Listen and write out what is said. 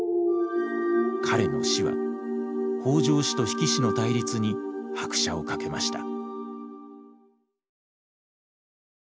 彼の死は北条氏と比企氏の対立に拍車をかけました。